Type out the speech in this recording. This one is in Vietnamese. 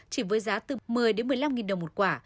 chỉ với giá từ một mươi một mươi năm nghìn đồng một quả